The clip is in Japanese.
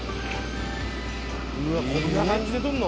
うわこんな感じでとるの？